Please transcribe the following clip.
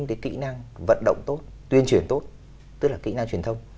cái kỹ năng vận động tốt tuyên truyền tốt tức là kỹ năng truyền thông